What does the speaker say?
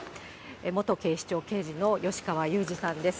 元警視庁刑事の吉川祐二さんです。